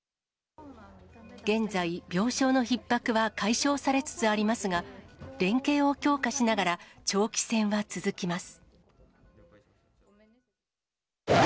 現在、病床のひっ迫は解消されつつありますが、連携を強化しながら長期戦は続きます。